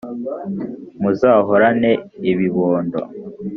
muzahorane ibibondo